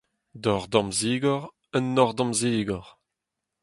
dor damzigor, un nor damzigor